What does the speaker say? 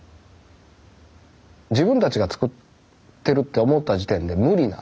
自分たちが造ってるって思った時点で無理なんです。